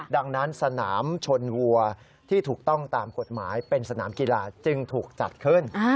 ดังนั้นสนามชนวัวที่ถูกต้องตามกฎหมายเป็นสนามกีฬาจึงถูกจัดขึ้น